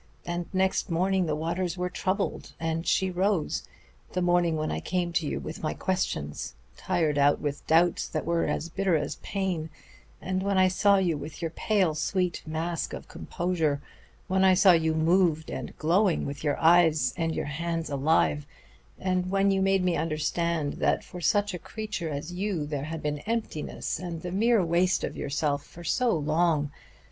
And next morning the waters were troubled, and she rose the morning when I came to you with my questions, tired out with doubts that were as bitter as pain, and when I saw you without your pale, sweet mask of composure when I saw you moved and glowing, with your eyes and your hands alive, and when you made me understand that for such a creature as you there had been emptiness and the mere waste of yourself for so long.